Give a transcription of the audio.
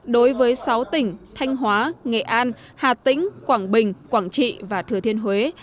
đối với sáu tỉnh thanh hóa nghệ an hà tĩnh quảng bình quảng trị và thừa thiên huế